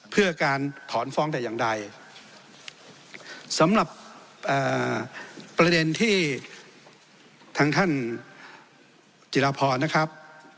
เพื่อการถอนฟ้องแต่อย่างใดสำหรับประเด็นที่ทางท่านจิรพรนะครับ